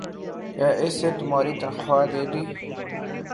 ۔کیا اس نے تمہار تنخواہ دیدی؟